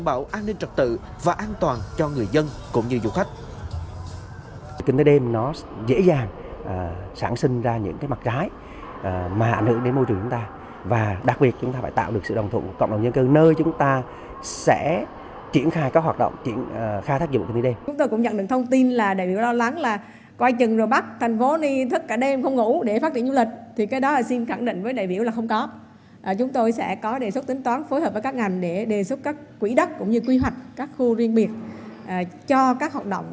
kinh tế đêm nó dễ dàng sản sinh ra những mặt trái mà ảnh hưởng đến môi trường của chúng ta